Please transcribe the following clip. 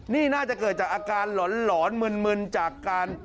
นี่น่าจะเกิดจากอาการหลอนมึนจากการ